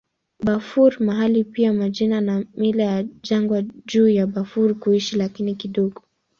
Bafur mahali pa majina na mila ya jangwa juu ya Bafur kuishi, lakini kidogo.